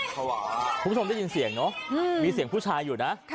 คุณผู้ชมได้ยินเสียงเนอะมีเสียงผู้ชายอยู่นะ